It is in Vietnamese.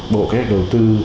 bộ kế hoạch đầu tư